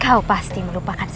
kau pasti melupakan satu hal